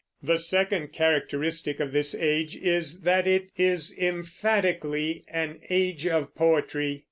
The second characteristic of this age is that it is emphatically an age of poetry.